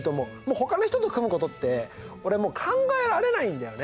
ほかの人と組むことって俺もう考えられないんだよね。